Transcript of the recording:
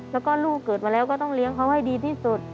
แล้วก็ลูกเกิดมาแล้วก็ต้องเลี้ยงเขาให้ดีที่สุด